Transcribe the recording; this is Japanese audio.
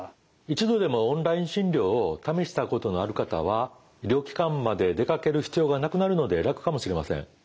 一度でもオンライン診療を試したことのある方は医療機関まで出かける必要がなくなるので楽かもしれません。